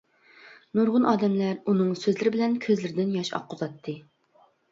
نۇرغۇن ئادەملەر ئۇنىڭ سۆزلىرى بىلەن كۆزلىرىدىن ياش ئاققۇزاتتى.